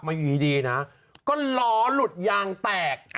อยู่ดีนะก็ล้อหลุดยางแตก